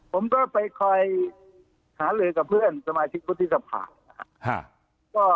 ผมก็ไปคอยหาเหลือกับเพื่อนสมาชิกพุทธิสภาพ